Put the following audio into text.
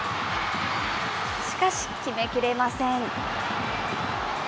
しかし、決めきれません。